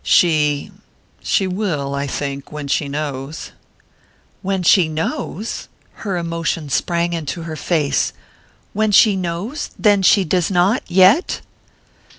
"She she will, I think when she knows " "When she knows?" Her emotion sprang into her face. "When she knows? Then she does not yet?"